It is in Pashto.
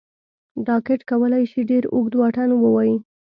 راکټ کولی شي ډېر اوږد واټن ووايي